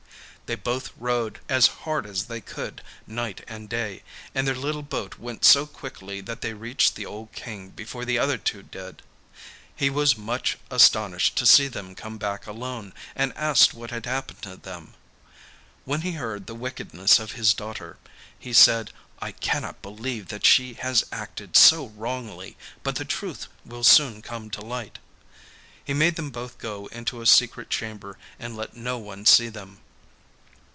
They both rowed as hard as they could night and day, and their little boat went so quickly that they reached the old King before the other two did. He was much astonished to see them come back alone, and asked what had happened to them. When he heard the wickedness of his daughter, he said, 'I cannot believe that she has acted so wrongly, but the truth will soon come to light.' He made them both go into a secret chamber, and let no one see them.